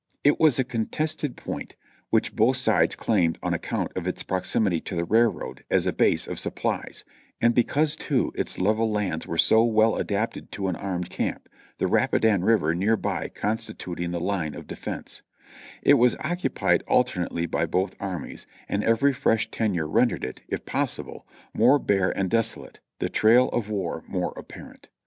It was a con tested point, which both sides claimed on account of its proximity to the railroad as a base of supplies; and because, too, its level lands were so well adapted to an armed camp, the Rapidan River near by constituting the line of defense ; it was occupied alter nately by both armies, and every fresh tenure rendered it, if pos sible, more bare and desolate, the trail of war more apparent.